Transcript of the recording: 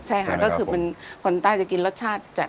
ใช่ค่ะก็คือเป็นคนใต้จะกินรสชาติจัด